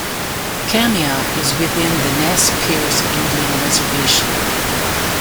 Kamiah is within the Nez Perce Indian Reservation.